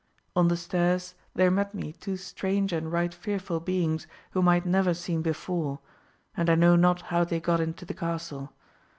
On the stairs there met me two strange and right fearful beings, whom I had never seen before; and I know not how they got into the castle.